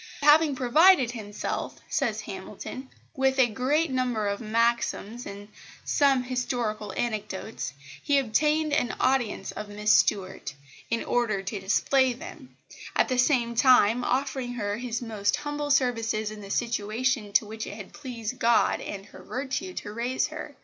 "Having provided himself," says Hamilton, "with a great number of maxims and some historical anecdotes, he obtained an audience of Miss Stuart, in order to display them; at the same time offering her his most humble services in the situation to which it had pleased God and her virtue to raise her.